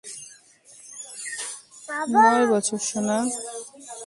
নয় বছর, সোনা।